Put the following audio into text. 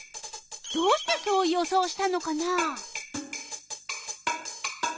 どうしてそう予想したのかな？